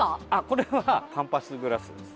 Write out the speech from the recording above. これはパンパスグラスです。